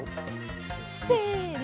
せの。